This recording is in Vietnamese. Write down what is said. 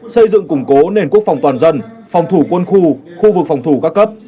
xây dựng củng cố nền quốc phòng toàn dân phòng thủ quân khu khu vực phòng thủ các cấp